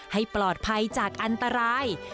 ให้ปลอดภัยจากอันตราย